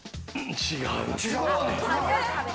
違う。